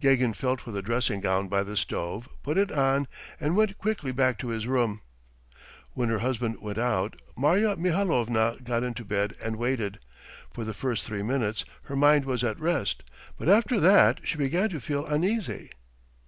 Gagin felt for the dressing gown by the stove, put it on, and went quietly back to his room. When her husband went out Marya Mihalovna got into bed and waited. For the first three minutes her mind was at rest, but after that she began to feel uneasy.